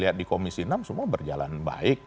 lihat di komisi enam semua berjalan baik